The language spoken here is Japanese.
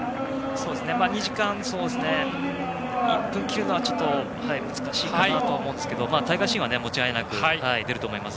２時間１分切るのは難しいかなと思いますけど大会新は間違いなく出ると思います。